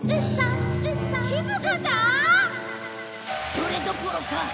それどころか。